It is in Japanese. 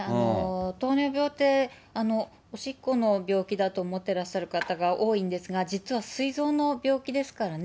糖尿病って、おしっこの病気だと思ってらっしゃる方が多いんですが、実はすい臓の病気ですからね。